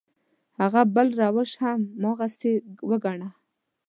هغه بل روش هم هماغسې وګڼه.